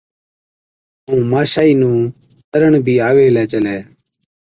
ائُون ماشائِي نُون ڏَرڻ بِي آوي هِلَي چلَي۔